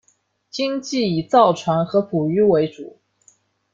经济以造船和捕鱼为主。